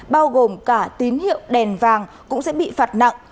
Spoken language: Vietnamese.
bao gồm cả tín hiệu đèn vàng cũng sẽ bị phạt nặng